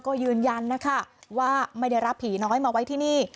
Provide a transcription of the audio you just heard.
ก็ยืนยันนะคะว่าไม่ได้รับผีน้อยมาไว้ที่นี่